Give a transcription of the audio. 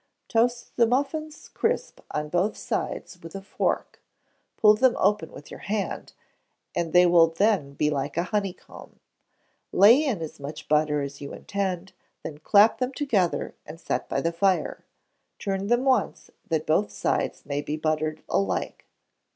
Toast the muffins crisp on both sides with a fork; pull them open with your hand, and they will be like a honeycomb; lay in as much butter as you intend; then clap them together, and set by the fire: turn them once, that both sides may be buttered alike.